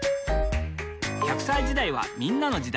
磽隠娃歳時代はみんなの時代。